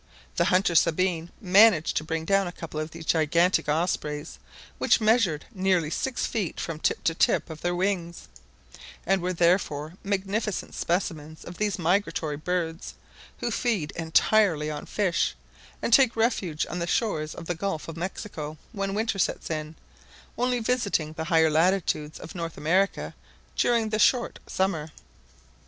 The hunter Sabine managed to bring down a couple of these gigantic ospreys, which measured nearly six feet from tip to tip of their wings, and were therefore magnificent specimens of these migratory birds, who feed entirely on fish, and take refuge on the shores of the Gulf of Mexico when winter sets in, only visiting the higher latitudes of North America during the short summer.